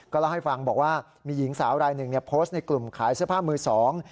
เล่าให้ฟังบอกว่ามีหญิงสาวรายหนึ่งโพสต์ในกลุ่มขายเสื้อผ้ามือสอง